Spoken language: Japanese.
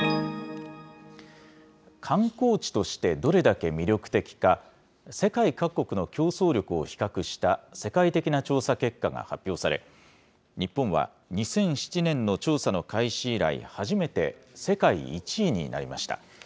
観光地としてどれだけ魅力的か、世界各国の競争力を比較した、世界的な調査結果が発表され、日本は２００７年の調査の開始以来初めて、世界１位になりました。